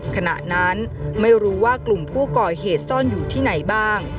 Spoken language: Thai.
ขณะนั้นไม่รู้ว่ากลุ่มผู้ก่อเหตุซ่อนอยู่ที่ไหนบ้าง